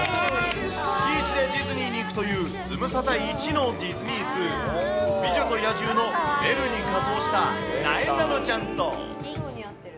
月１でディズニーに行くというズムサタ一のディズニー通、美女と野獣のベルに仮装した、なえなのちゃんと。